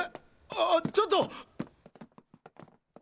あちょっと！